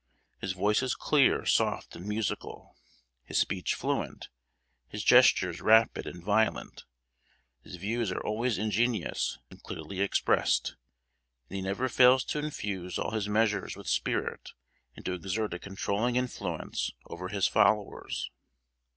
His voice is clear, soft and musical; his speech fluent; his gestures rapid and violent. His views are always ingenious and clearly expressed; and he never fails to infuse all his measures with spirit, and to exert a controlling influence over his followers.